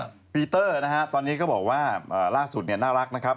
อ่ะปีเตอร์ตอนนี้ก็บอกว่าล่าสุดน่ารักนะครับ